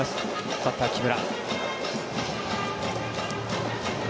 バッター、木村。